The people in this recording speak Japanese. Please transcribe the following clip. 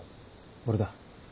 俺だ。